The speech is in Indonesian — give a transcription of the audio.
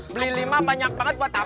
beli lima banyak banget buat apaan sih